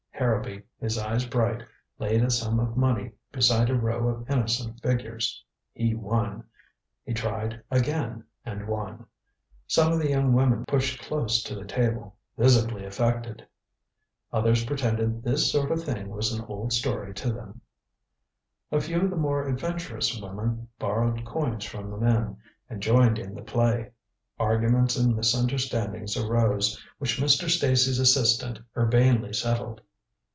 Harrowby, his eyes bright, laid a sum of money beside a row of innocent figures. He won. He tried again, and won. Some of the young women pushed close to the table, visibly affected. Others pretended this sort of thing was an old story to them. A few of the more adventurous women borrowed coins from the men, and joined in the play. Arguments and misunderstandings arose, which Mr. Stacy's assistant urbanely settled.